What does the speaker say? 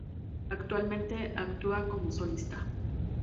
Actualmente, actúa como solista.